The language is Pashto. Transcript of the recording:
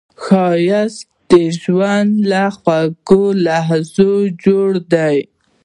ښایست د ژوند له خوږو لحظو جوړ دی